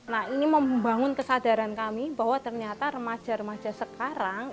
nah ini membangun kesadaran kami bahwa ternyata remaja remaja sekarang